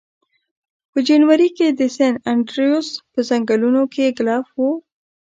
په جنوري کې د سن انډریوز په ځنګلونو کې ګلف و